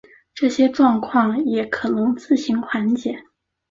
这些状况也可能自行缓解。